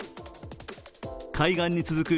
海岸に続く